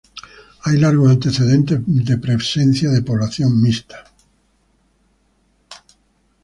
Hay largos antecedentes de presencia de población mixta.